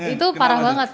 itu parah banget